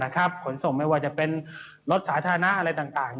ขนส่งไม่ว่าจะเป็นรถสาธารณะอะไรต่าง